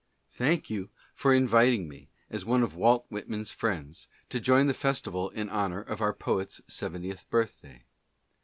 Thank you for inviting me, as one of Walt Whitman's friends, to join the festival in honor of our poet's seventieth birthday.